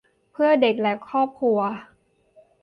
เพื่อเด็กและครอบครัว